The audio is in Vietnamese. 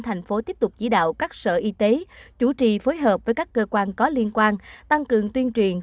thành phố tiếp tục chỉ đạo các sở y tế chủ trì phối hợp với các cơ quan có liên quan tăng cường tuyên truyền